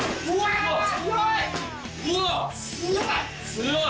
強い。